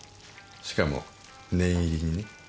しかも念入りにね。